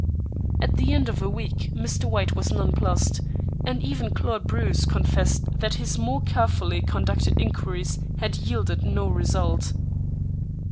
At the end of a week Mr. White was nonplussed, and even Claude Bruce confessed that his more carefully conducted inquiries had yielded no result.